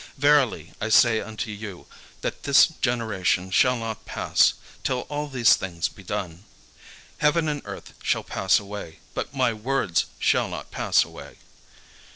Verily I say unto you, that this generation shall not pass, till all these things be done. Heaven and earth shall pass away: but my words shall not pass away.